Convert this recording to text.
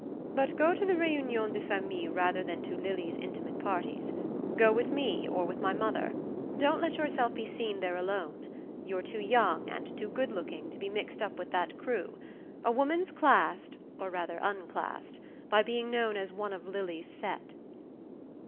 But go to the reunions de famille rather than to Lili's intimate parties; go with me, or with my mother; don't let yourself be seen there alone. You're too young and good looking to be mixed up with that crew. A woman's classed or rather unclassed by being known as one of Lili's set."